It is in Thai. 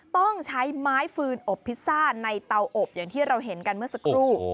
ต้องใช้ไม้ฟืนอบพิซซ่าในเตาอบอย่างที่เราเห็นกันเมื่อสักครู่